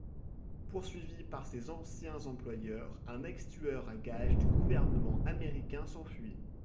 Poursuivi par ses anciens employeurs, un ex-tueur à gages du gouvernement américain s'enfuit.